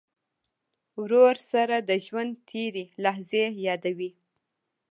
ورور سره د ژوند تېرې لحظې یادوې.